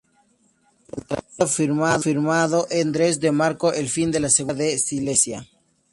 El tratado firmado en Dresde marcó el fin de la Segunda Guerra de Silesia.